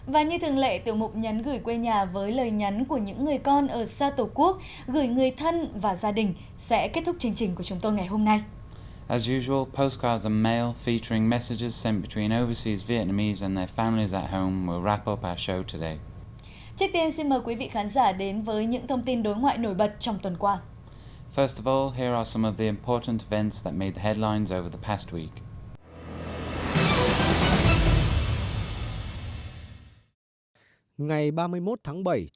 và như thường lệ tiểu mục nhắn gửi quê nhà với lời nhắn của những người con ở xa tổ quốc gửi người thân và gia đình sẽ kết thúc chương trình của chúng tôi ngày hôm nay